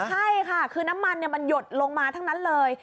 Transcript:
ใช่ค่ะคือน้ำมันมันหยดลงมาทั้งนั้นเลย